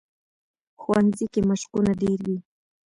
ښوونځی کې مشقونه ډېر وي